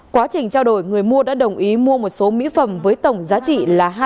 quá trình trao đổi người mua đã đồng ý mua một số mỹ phẩm với tổng giá trị là